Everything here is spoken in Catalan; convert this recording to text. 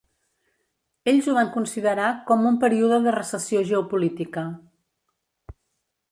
Ells ho van considerar com "un període de recessió geopolítica".